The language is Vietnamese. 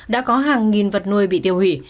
đã có hàng nghìn vật nuôi bị tiêu hủy